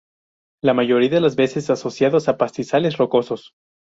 La mayoría de las veces asociadas a pastizales rocosos.